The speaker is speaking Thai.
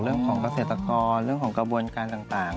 เรื่องของเกษตรกรเรื่องของกระบวนการต่าง